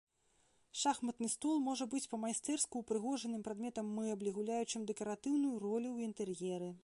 Шахматны стол можа быць па-майстэрску упрыгожаным прадметам мэблі гуляючым дэкаратыўную ролю ў інтэр'еры.